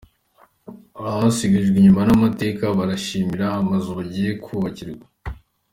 Abasigajwe inyuma n’amateka barishimira amazu bagiye kubakirwa